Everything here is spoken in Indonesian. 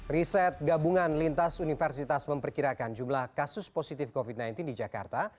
riset gabungan lintas universitas memperkirakan jumlah kasus positif covid sembilan belas di jakarta